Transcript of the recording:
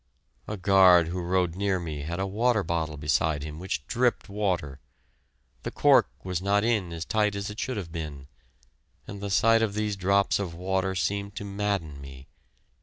A guard who rode near me had a water bottle beside him which dripped water. The cork was not in tight as it should have been, and the sight of these drops of water seemed to madden me.